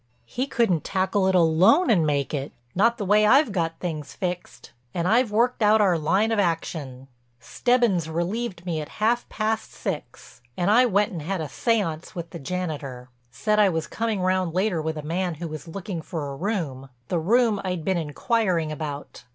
"He couldn't tackle it alone and make it—not the way I've got things fixed. And I've worked out our line of action; Stebbins relieved me at half past six and I went and had a séance with the janitor. Said I was coming round later with a man who was looking for a room—the room I'd been inquiring about.